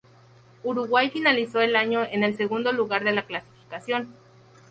Uruguay finalizó el año en el segundo lugar de la clasificación.